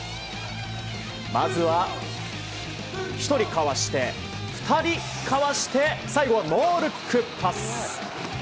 まずは、１人かわして２人かわして最後はノールックパス。